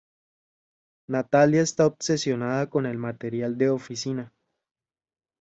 Nathalia está obsesionada con el material de oficina.